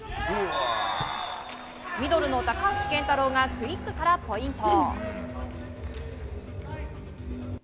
ミドルの高橋健太郎がクイックからポイント。